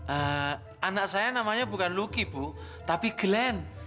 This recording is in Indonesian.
eh anak saya namanya bukan luki bu tapi glenn